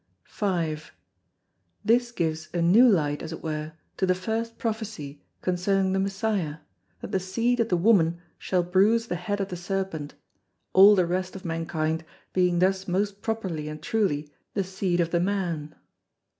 5. This gives a new light, as it were, to the first Prophecy concerning the Messiah, that the Seed of the Woman shall bruise the Head of the Serpent, all the rest of Mankind being thus most properly and truly the Seed of the Man.